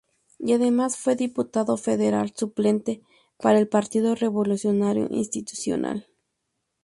Y además fue diputado federal suplente para el Partido Revolucionario Institucional.